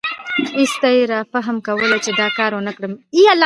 ایسته یې رافهم کوله چې دا کار ونکړم.